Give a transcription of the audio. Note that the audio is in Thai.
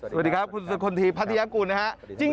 สวัสดีครับคุณสคลทีพัทยากุลนะครับ